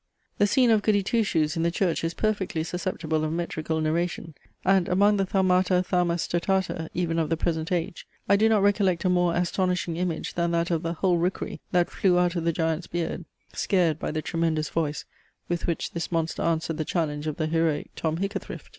The scene of GOODY TWO SHOES in the church is perfectly susceptible of metrical narration; and, among the thaumata thaumastotata even of the present age, I do not recollect a more astonishing image than that of the "whole rookery, that flew out of the giant's beard," scared by the tremendous voice, with which this monster answered the challenge of the heroic TOM HICKATHRIFT!